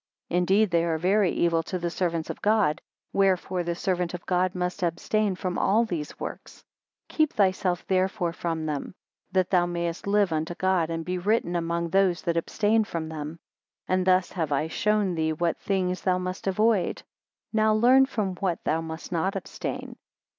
Indeed they are very evil to the servants of God, Wherefore the servant of God must abstain from all these works. 7 Keep thyself therefore from them, that thou mayest live unto God, and be written among those that abstain from them. And thus have I shown thee what things thou must avoid: now learn from what thou must not abstain.